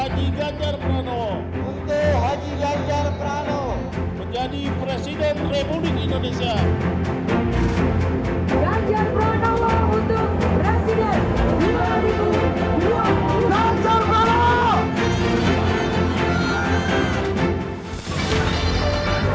dan pdi perjuangan mesti menang headdress